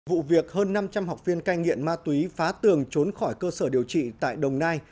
vụ việc hơn năm trăm linh học viên cai nghiện ma túy phá tường trốn khỏi cơ sở điều trị tại đồng nai